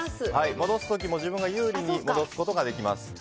戻す時も自分が有利なように戻すことができます。